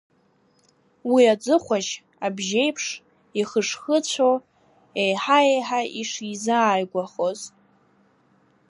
Уи аӡыхәашь абжьеиԥш ихыш-хыцәо еиҳа-еиҳа ишизааигәахоз…